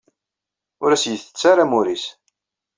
Ur as-yettett ara amur-is.